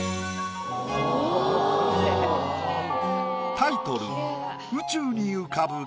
タイトル